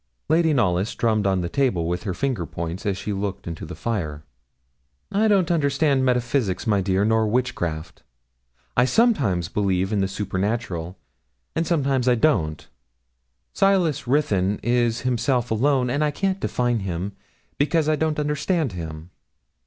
Lady Knollys drummed on the table with her finger points as she looked into the fire. 'I don't understand metaphysics, my dear, nor witchcraft. I sometimes believe in the supernatural, and sometimes I don't. Silas Ruthyn is himself alone, and I can't define him, because I don't understand him.